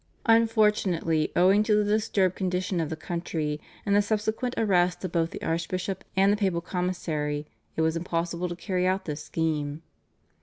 Unfortunately owing to the disturbed condition of the country, and the subsequent arrest of both the archbishop and the papal commissary, it was impossible to carry out this scheme.